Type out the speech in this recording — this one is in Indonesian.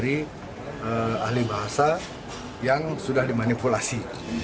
ini adalah statement dari ahli bahasa yang sudah dimanipulasi